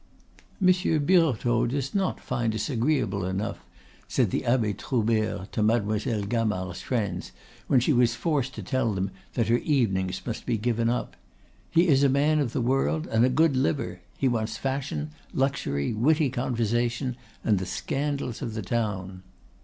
"Monsieur Birotteau does not find us agreeable enough," said the Abbe Troubert to Mademoiselle Gamard's friends when she was forced to tell them that her "evenings" must be given up. "He is a man of the world, and a good liver! He wants fashion, luxury, witty conversation, and the scandals of the town."